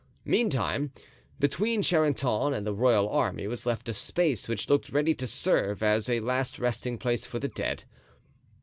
Meantime, between Charenton and the royal army was left a space which looked ready to serve as a last resting place for the dead.